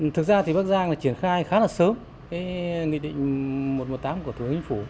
thực ra thì bắc giang là triển khai khá là sớm cái nghị định một trăm một mươi tám của thứ nguyên phủ